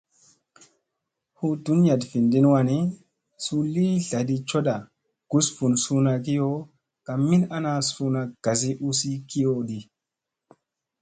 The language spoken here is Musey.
Hu ɗuniyaɗa vinɗin wa nii, suu li tlaɗi cooɗa gus vun suuna kiyo ka min ana suuna gasi usi kiyo di.